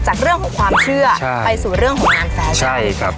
จากเรื่องของความเชื่อไปสู่เรื่องของงานแฟชั่นใช่ครับ